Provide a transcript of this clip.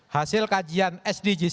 hasil kajian sdgs